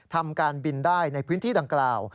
ทำการบินได้ในพื้นที่ดังกล่าว